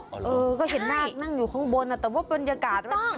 เออก็เห็นนาคนั่งอยู่ข้างบนแต่มันไม่ค่อยคุ้นนะคะ